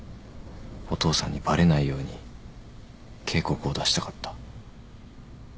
お父さんにバレないように警告を出したかった。